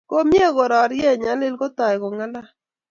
Komie korarie eng nyalil kotai ko ngalal